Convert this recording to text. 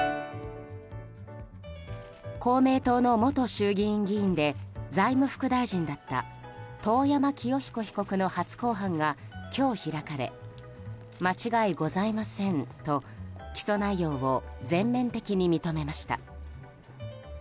公明党の元衆議院議員で財務副大臣だった遠山清彦被告の初公判が今日開かれ間違いございませんと起訴内容を全面的に認めました。